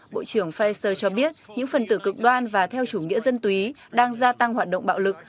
bộ trưởng faeser cho biết những phần tử cực đoan và theo chủ nghĩa dân túy đang gia tăng hoạt động bạo lực